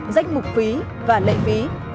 danh mục phí và lệ phí